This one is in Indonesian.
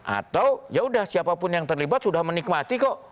atau ya sudah siapapun yang terlibat sudah menikmati kok